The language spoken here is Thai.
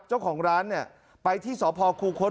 เจ้าของร้านเนี่ยไปที่สพคูคศ